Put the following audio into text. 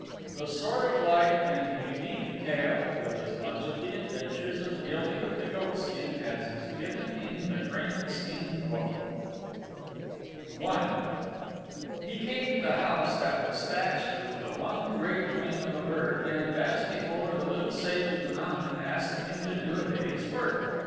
THE SWORD OF LIGHT AND THE UNIQUE TALE WITH AS MUCH OF THE ADVENTURES OF GILLY OF THE GOATSKIN AS IS GIVEN IN "THE CRANESKIN BOOK" I He came to the house that was thatched with the one great wing of a bird, and, as before, the Little Sage of the Mountain asked him to do a day's work.